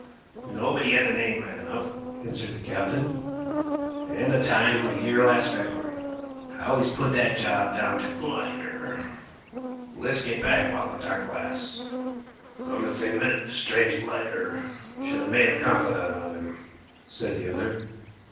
"No; but he had the name right enough," answered the captain, "and the time a year last February. I always put that job down to Glider. Let's get back while the dark lasts." "Come to think of it, it's strange Glider should have made a confidant of him," said the other.